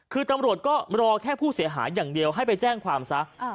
คือตำรวจก็รอแค่ผู้เสียหายอย่างเดียวให้ไปแจ้งความซะ